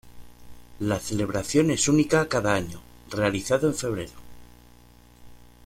La celebración es única cada año, realizado en febrero.